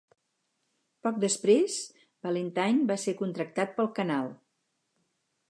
Poc després, Valentine va ser contractat pel canal.